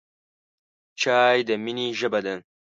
چای د مینې ژبه ده.